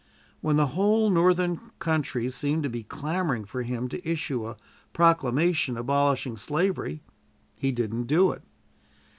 When the whole Northern country seemed to be clamoring for him to issue a proclamation abolishing slavery, he didn't do it.